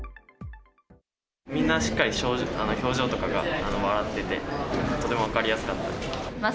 みんなしっかり表情とかが笑ってて、とても分かりやすかったです。